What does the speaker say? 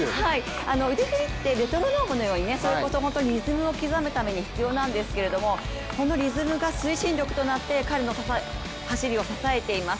腕振りってメトロノームのようにリズムを刻むために必要なんですけどこのリズムが推進力となって彼の走りを支えています。